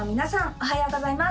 おはようございます